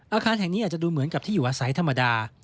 อาคารแห่งนี้อาจจะดูเหมือนกับที่อยู่อาศัยธรรมดา